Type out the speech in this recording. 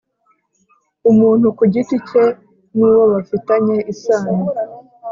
Umuntu ku giti cye n uwo bafitanye isano